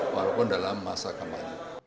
walaupun dalam masa kampanye